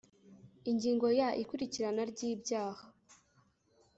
ingingo ya ikurikirana ry ibyaha